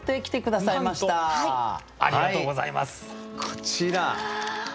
こちら。